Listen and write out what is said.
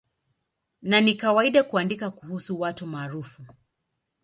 Na ni kawaida kuandika kuhusu watu maarufu.